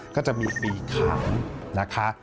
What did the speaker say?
ก็จะมีปีขำนะคะ